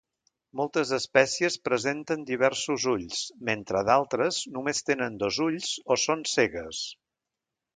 Moltes espècies presenten diversos ulls mentre d'altres només tenen dos ulls o són cegues.